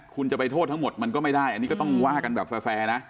คุณจะไปโทษทั้งหมดมันก็ไม่ได้อันนี้ก็ต้องว่ากันแบบแฟร์นะ